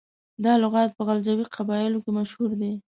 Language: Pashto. دا لغات په غلجو قبایلو کې مروج دی.